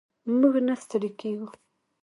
موږ نه ستړي کیږو.